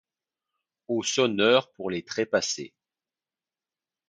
Aux sonneurs pour les trépassés.